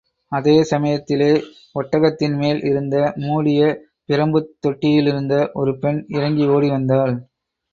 அதே சம்யத்திலே, ஒட்டகத்தின் மேல் இருந்த மூடிய பிரம்புத் தொட்டிலிலிருந்து, ஒரு பெண் இறங்கி ஓடி வந்தாள்.